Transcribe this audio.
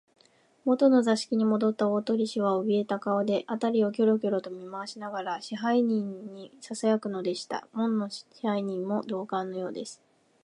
もとの座敷にもどった大鳥氏は、おびえた顔で、あたりをキョロキョロと見まわしながら、支配人にささやくのでした。門野支配人も同感のようです。